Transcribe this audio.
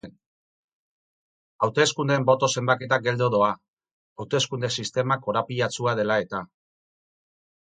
Hauteskundeen boto-zenbaketa geldo doa, hauteskunde-sistema korapilatsua dela-eta.